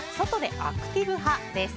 アクティブ派？です。